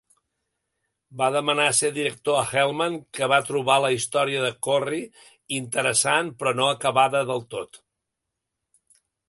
Va demanar ser director a Hellman, que va trobar la història de Corry "interessant, però no acabada del tot".